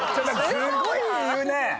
すごい言うね！